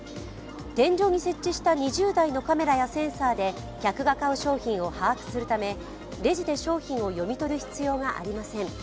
天井に設置した２０台のカメラやセンサーで客が買う商品を把握するためレジで商品を読み取る必要がありません。